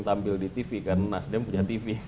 tampil di tv kan nasdem punya tv